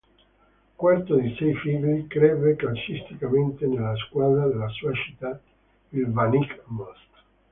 Quarto di sei figli, crebbe calcisticamente nella squadra della sua città, il Baník Most.